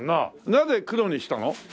なぜ黒にしたの？